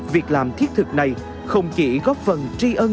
việc làm thiết thực này không chỉ góp phần truyền thống